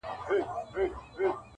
ګیله مي ډېره درنه کيږي آشنا-